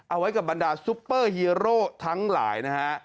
เอาไว้กับบรรดาซุปเปอร์ฮีโร่ทั้งหลายนะฮะ